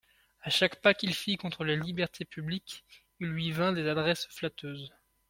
À chaque pas qu'il fit contre les libertés publiques, il lui vint des adresses flatteuses.